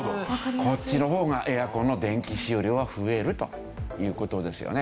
こっちの方がエアコンの電気使用量は増えるという事ですよね。